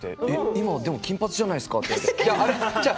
今、でも金髪じゃないですかって違う！